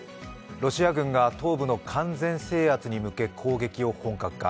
ロシア軍が東部の完全制圧に向け攻撃を本格化。